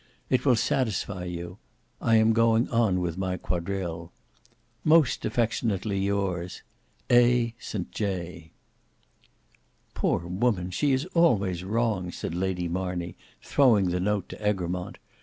It will satisfy you. I am going on with my quadrille. "Most affectionately yours, "A. St J." "Poor woman! she is always wrong," said Lady Marney throwing the note to Egremont.